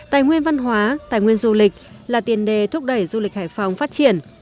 tài nguyên văn hóa tài nguyên du lịch là tiền đề thúc đẩy du lịch hải phòng phát triển